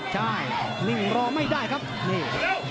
ใช่นิ่งรอไม่ได้ครับนี่